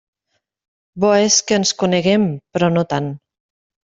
Bo és que ens coneguem, però no tant.